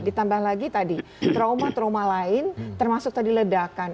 ditambah lagi tadi trauma trauma lain termasuk tadi ledakan